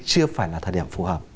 chưa phải là thời điểm phù hợp